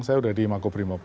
saya sudah di makubrimo